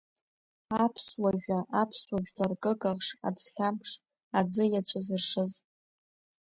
Аԥсуа жәа, аԥсуа жәлар ркыкахш, аӡхьамԥш, аӡы иаҵәа зыршыз.